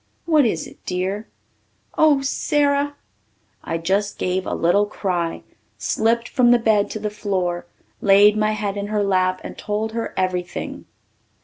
What is it, dear?" "Oh, Sara!" I just gave a little cry, slipped from the bed to the floor, laid my head in her lap, and told her everything.